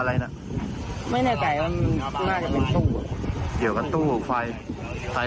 แล้วเลี้ยวเข้ามาเร็วมั้ย